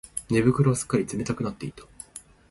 寝袋はすっかり冷たくなっていた